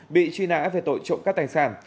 bị truy nã về tội trộm các tài sản